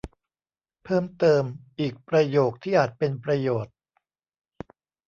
เพิ่มเติม อีกประโยคที่อาจเป็นประโยชน์